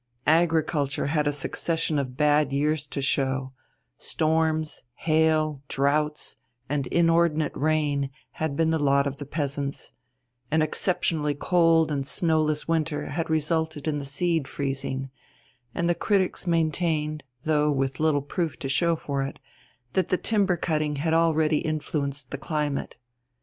Agriculture had a succession of bad years to show; storms, hail, droughts, and inordinate rain had been the lot of the peasants; an exceptionally cold and snowless winter had resulted in the seed freezing; and the critics maintained, though with little proof to show for it, that the timber cutting had already influenced the climate.